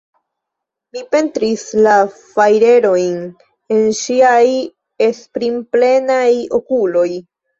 Mi pentris la fajrerojn en ŝiaj esprimplenaj okuloj.